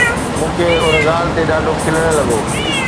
مون کي ان ڳالهه تي ڏاڍو کلڻ لڳو.